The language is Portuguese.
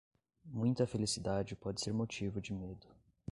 Muita felicidade pode ser motivo de medo.